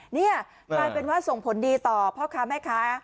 นี่กลายเป็นว่าส่งผลดีต่อพ่อค้าแม่ค้า